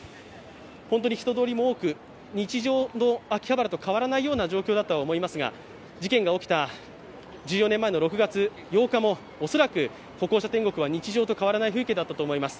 本当に人通りも多く、日常の秋葉原と変わらないような状況だと思いますが事件が起きた１４年前の６月８日も恐らく歩行者天国は日常と変わらない風景だったと思います。